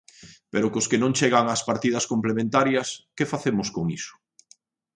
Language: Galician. Pero cos que non chegan ás partidas complementarias, ¿que facemos con iso?